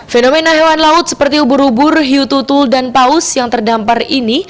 fenomena hewan laut seperti ubur ubur hiu tutul dan paus yang terdampar ini